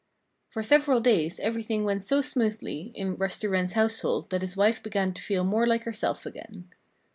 For several days everything went so smoothly in Rusty Wren's household that his wife began to feel more like herself again.